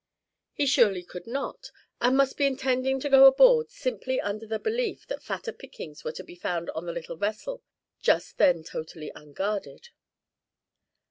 He surely could not, and must be intending to go aboard simply under the belief that fatter pickings were to be found on the little vessel just then totally unguarded.